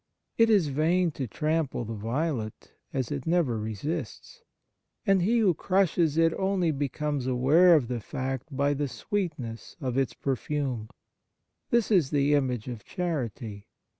It is vain to trample the violet, as it never resists, and he who crushes it only becomes aware of the fact by the sweetness of its perfume. This is the image of charity.